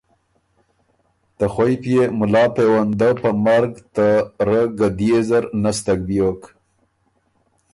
ته خوئ پئے مُلا پېونده په مرګ ته رۀ ګديې زر نستک بیوک۔